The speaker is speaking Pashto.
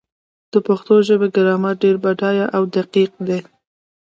د پښتو ژبې ګرامر ډېر بډایه او دقیق دی.